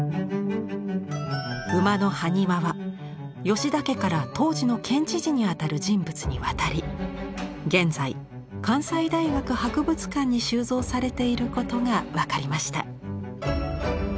馬の埴輪は吉田家から当時の県知事にあたる人物に渡り現在関西大学博物館に収蔵されていることが分かりました。